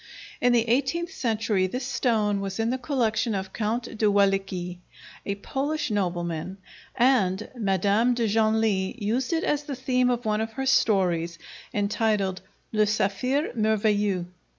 In the eighteenth century this stone was in the collection of Count de Walicki, a Polish nobleman, and Mme. de Genlis used it as the theme of one of her stories, entitled "Le Saphire Merveilleux."